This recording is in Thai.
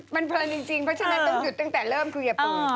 มันเพลินจริงเพราะฉะนั้นต้องหยุดตั้งแต่เริ่มคืออย่าปู